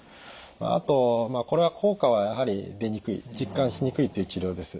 あとこれは効果はやはり出にくい実感しにくいという治療です。